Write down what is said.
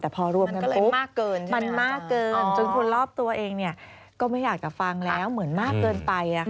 แต่พอรวมกันปุ๊บมันมากเกินจนคนรอบตัวเองก็ไม่อยากจะฟังแล้วเหมือนมากเกินไป